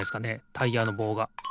タイヤのぼうが。